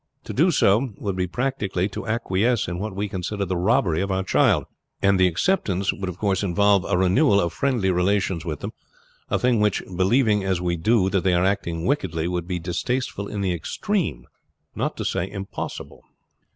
To do so would be practically to acquiesce in what we consider the robbery of our child, and the acceptance would of course involve a renewal of friendly relations with them; a thing which, believing as we do that they are acting wickedly would be distasteful in the extreme, not to say impossible."